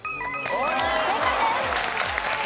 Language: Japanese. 正解です。